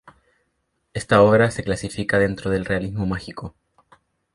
Esta obra se clasifica dentro del realismo mágico.